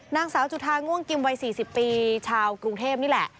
นางสาวจุธาง่วงกิมวัย๔๐ปีชาวกรุงเทพนี่แหละ